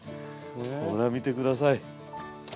ほら見て下さい。